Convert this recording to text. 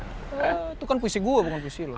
itu kan puisi gua bukan puisi lu